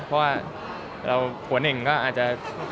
เพราะว่าเราผัวเน่งก็อาจจะ